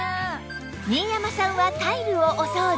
新山さんはタイルをお掃除